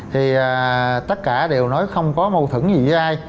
thì tất cả đều nói không có mâu thửng gì với ai